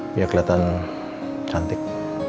biar keliatan cantik